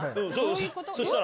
そしたら？